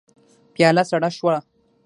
پياله سړه شوه.